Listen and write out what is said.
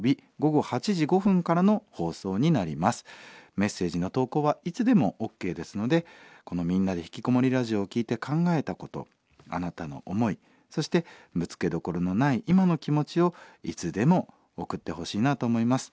メッセージの投稿はいつでもＯＫですのでこの「みんなでひきこもりラジオ」を聴いて考えたことあなたの思いそしてぶつけどころのない今の気持ちをいつでも送ってほしいなと思います。